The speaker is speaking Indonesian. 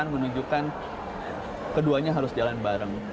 pertemuan dua ribu delapan menunjukkan keduanya harus jalan bareng